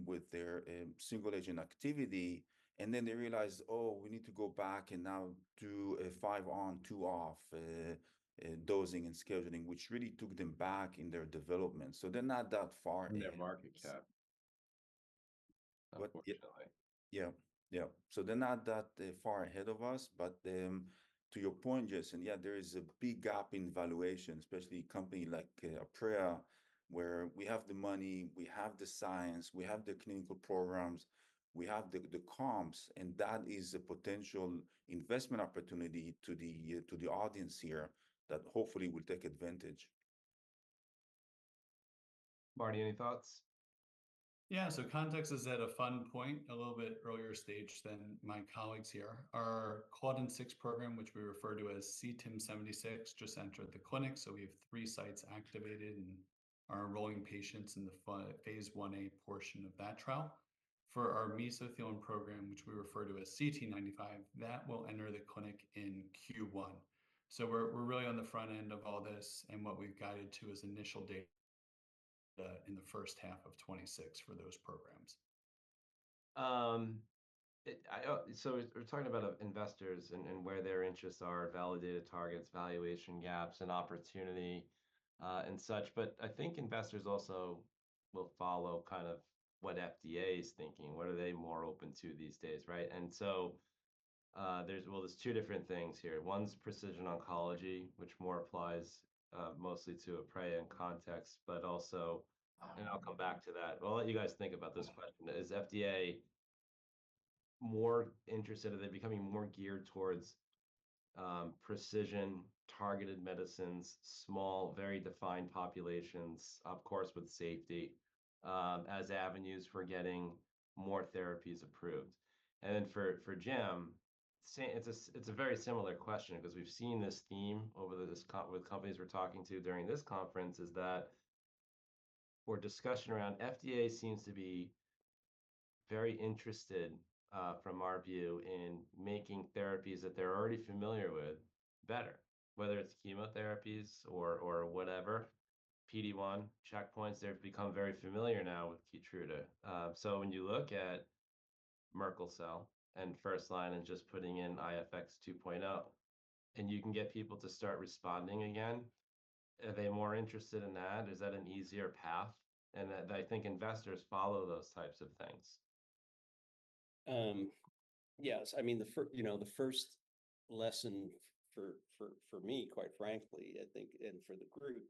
with their single agent activity. And then they realized, oh, we need to go back and now do a five on, two off, dosing and scheduling, which really took them back in their development. So they're not that far in their market cap. But yeah, yeah. So they're not that far ahead of us. But to your point, Jason, yeah, there is a big gap in valuation, especially a company like Aprea where we have the money, we have the science, we have the clinical programs, we have the comps, and that is a potential investment opportunity to the audience here that hopefully will take advantage. Marty, any thoughts? Yeah. So Context is at a fun point a little bit earlier stage than my colleagues here. Our Claudin-6 program, which we refer to as CTIM-76, just entered the clinic. So we have three sites activated and are enrolling patients in the Phase 1a portion of that trial for our mesothelin program, which we refer to as CT-95. That will enter the clinic in Q1. So we're really on the front end of all this and what we've guided to as initial data in the first half of 2026 for those programs. So we're talking about investors and where their interests are, validated targets, valuation gaps and opportunity, and such. But I think investors also will follow kind of what FDA is thinking, what are they more open to these days, right? And so, there's, well, two different things here. One's precision oncology, which more applies, mostly to Aprea and Context, but also, and I'll come back to that. Well, let you guys think about this question. Is FDA more interested? Are they becoming more geared towards precision targeted medicines, small, very defined populations, of course with safety, as avenues for getting more therapies approved? And then for Jim, say it's a very similar question 'cause we've seen this theme over this conference with companies we're talking to during this conference is that the discussion around FDA seems to be very interested, from our view, in making therapies that they're already familiar with better, whether it's chemotherapies or whatever PD-1 checkpoints. They've become very familiar now with Keytruda. So when you look at Merkel cell and first line and just putting in IFx-2.0 and you can get people to start responding again, are they more interested in that? Is that an easier path? And that I think investors follow those types of things. Yes. I mean, the first lesson for me, quite frankly, I think, and for the group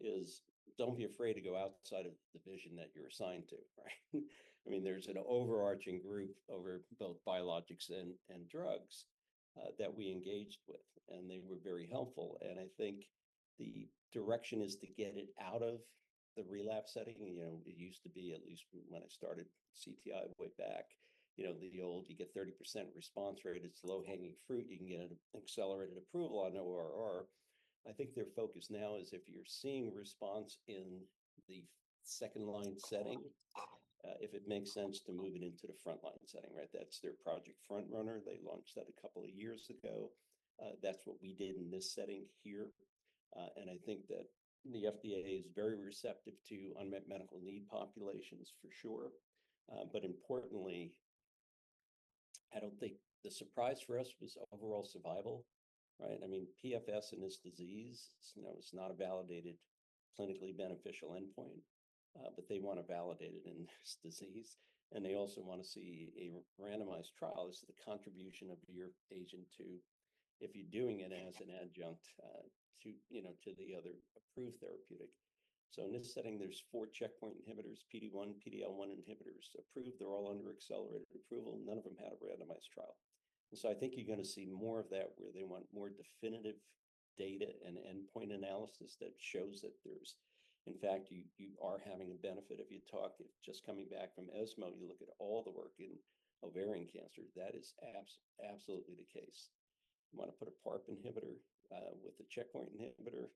is don't be afraid to go outside of the division that you're assigned to, right? I mean, there's an overarching group over both biologics and drugs, that we engaged with, and they were very helpful. And I think the direction is to get it out of the relapse setting. You know, it used to be, at least when I started Context way back, you know, the old, you get 30% response rate, it's low hanging fruit. You can get an accelerated approval on ORR. I think their focus now is if you're seeing response in the second line setting, if it makes sense to move it into the frontline setting, right? That's their Project FrontRunner. They launched that a couple of years ago. That's what we did in this setting here. And I think that the FDA is very receptive to unmet medical need populations for sure. But importantly, I don't think the surprise for us was overall survival, right? I mean, PFS in this disease, it's, you know, it's not a validated clinically beneficial endpoint, but they wanna validate it in this disease. And they also wanna see a randomized trial as the contribution of your agent to, if you're doing it as an adjunct, to, you know, to the other approved therapeutic. So in this setting, there's four checkpoint inhibitors, PD-1, PD-L1 inhibitors approved. They're all under accelerated approval. None of 'em had a randomized trial. And so I think you're gonna see more of that where they want more definitive data and endpoint analysis that shows that there's, in fact, you are having a benefit of your talk. I just coming back from ESMO, you look at all the work in ovarian cancer, that is absolutely the case. You wanna put a PARP inhibitor with a checkpoint inhibitor,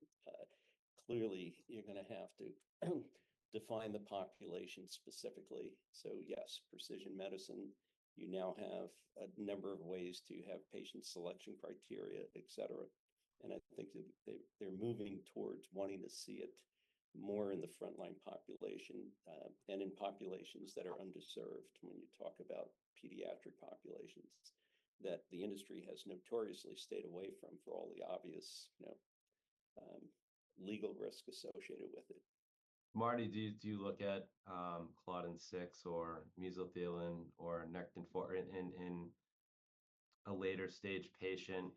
clearly you're gonna have to define the population specifically. So yes, precision medicine, you now have a number of ways to have patient selection criteria, et cetera. And I think that they're moving towards wanting to see it more in the frontline population, and in populations that are underserved when you talk about pediatric populations that the industry has notoriously stayed away from for all the obvious, you know, legal risk associated with it. Marty, do you look at Claudin-6 or mesothelin or Nectin-4 in a later stage patient,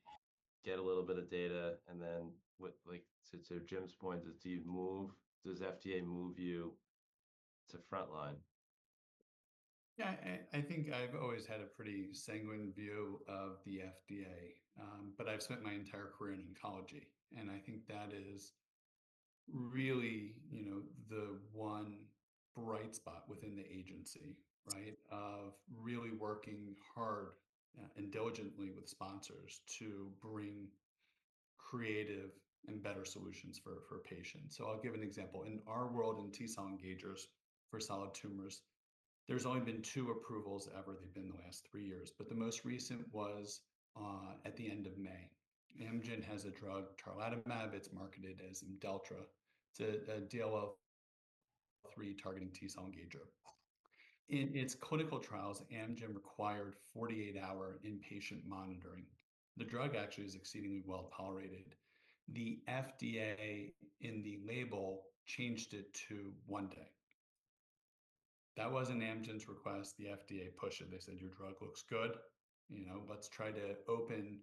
get a little bit of data and then what, like, to Jim's point, do you move, does FDA move you to frontline? Yeah, I think I've always had a pretty sanguine view of the FDA. But I've spent my entire career in oncology and I think that is really, you know, the one bright spot within the agency, right? Of really working hard, and diligently with sponsors to bring creative and better solutions for patients. So I'll give an example. In our world in T cell engagers for solid tumors, there's only been two approvals ever. They've been the last three years, but the most recent was at the end of May. Amgen has a drug, tarlatamab; it's marketed as Imdelltra. It's a DLL3 targeting T cell engager. In its clinical trials, Amgen required 48 hour inpatient monitoring. The drug actually is exceedingly well tolerated. The FDA in the label changed it to one day. That wasn't Amgen's request. The FDA pushed it. They said, your drug looks good. You know, let's try to open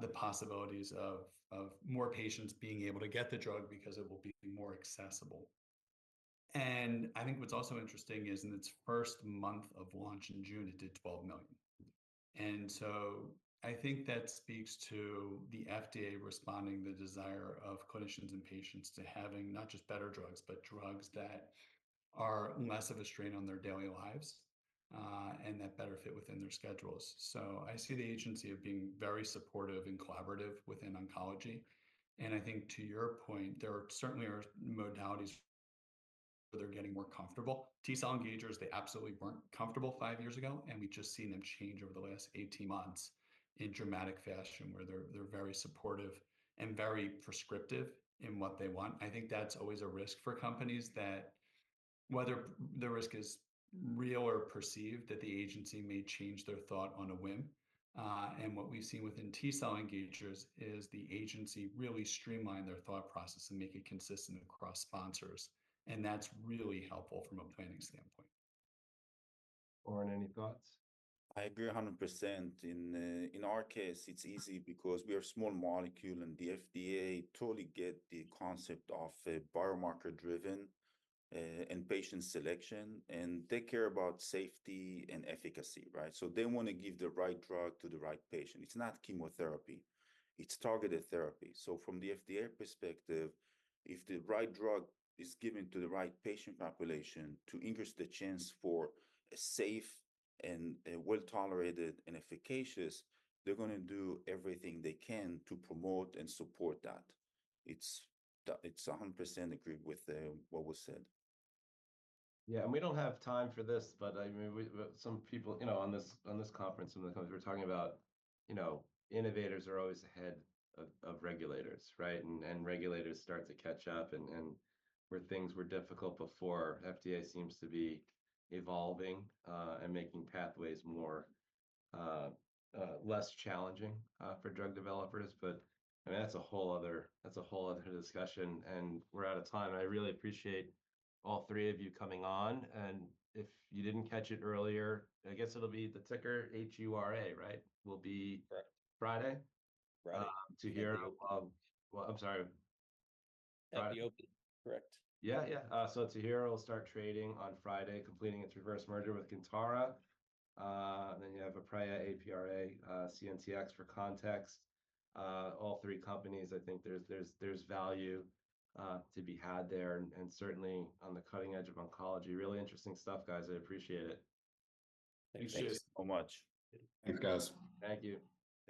the possibilities of more patients being able to get the drug because it will be more accessible. And I think what's also interesting is in its first month of launch in June, it did $12 million. And so I think that speaks to the FDA responding to the desire of clinicians and patients to having not just better drugs, but drugs that are less of a strain on their daily lives, and that better fit within their schedules. So I see the agency of being very supportive and collaborative within oncology. And I think to your point, there certainly are modalities where they're getting more comfortable. T-cell engagers, they absolutely weren't comfortable five years ago, and we've just seen them change over the last 18 months in dramatic fashion where they're very supportive and very prescriptive in what they want. I think that's always a risk for companies that whether the risk is real or perceived that the agency may change their thought on a whim. And what we've seen within T-cell engagers is the agency really streamline their thought process and make it consistent across sponsors. And that's really helpful from a planning standpoint. Oren, any thoughts? I agree 100%. In our case, it's easy because we are a small molecule and the FDA totally get the concept of a biomarker driven, and patient selection, and they care about safety and efficacy, right? So they wanna give the right drug to the right patient. It's not chemotherapy, it's targeted therapy. So from the FDA perspective, if the right drug is given to the right patient population to increase the chance for a safe and well tolerated and efficacious, they're gonna do everything they can to promote and support that. I 100% agree with what was said. Yeah. And we don't have time for this, but I mean, we, some people, you know, on this, on this conference, some of the companies we're talking about, you know, innovators are always ahead of, of regulators, right? And, and regulators start to catch up and, and where things were difficult before, FDA seems to be evolving, and making pathways more, less challenging, for drug developers. But I mean, that's a whole other, that's a whole other discussion and we're out of time. I really appreciate all three of you coming on. And if you didn't catch it earlier, I guess it'll be the ticker HURA, right? Will be Friday. Right. TuHura, well, I'm sorry. Uncertain, correct. Yeah. So TuHura, we'll start trading on Friday, completing its reverse merger with Kintara. Then you have Aprea, CNTX for Context. All three companies, I think there's value to be had there and certainly on the cutting edge of oncology. Really interesting stuff, guys. I appreciate it. Thank you so much. Thanks, guys. Thank you.